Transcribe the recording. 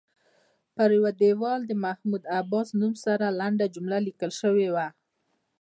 پر یوه دیوال د محمود عباس نوم سره لنډه جمله لیکل شوې وه.